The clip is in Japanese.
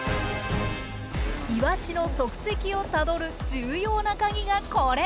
イワシの足跡をたどる重要なカギがこれ。